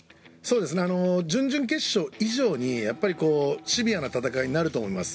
準々決勝以上にシビアな戦いになると思います。